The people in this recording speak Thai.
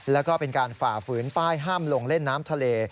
แล้วก็เป็นการฝ่าฝืนป้ายห้ามลงเล่นน้ำทะเล